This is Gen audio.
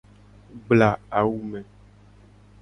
Gbla awu me.